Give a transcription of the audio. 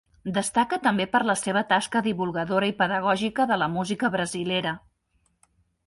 Destaca també per la seva tasca divulgadora i pedagògica de la música brasilera.